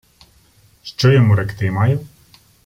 — Що йому ректи маю?